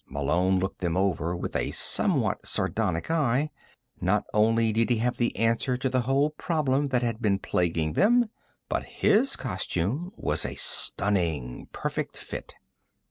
Malone looked them over with a somewhat sardonic eye. Not only did he have the answer to the whole problem that had been plaguing them, but his costume was a stunning, perfect fit.